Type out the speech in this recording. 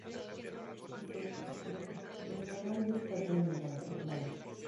En efecto, los caballos parecen flotar en el aire.